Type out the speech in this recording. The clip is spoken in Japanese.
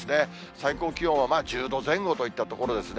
最高気温はまあ、１０度前後といったところですね。